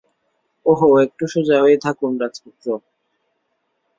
ওহো, একটু সোজা হয়ে থাকুন, রাজপুত্র।